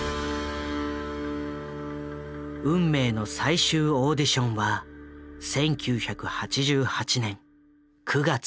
運命の最終オーディションは１９８８年９月５日。